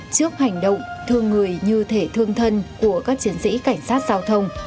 trước hành động thương người như thể thương thân của các chiến sĩ cảnh sát giao thông